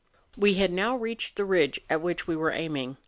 We had now reached the ridge at which we were aiming.